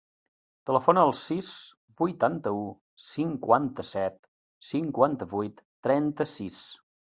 Telefona al sis, vuitanta-u, cinquanta-set, cinquanta-vuit, trenta-sis.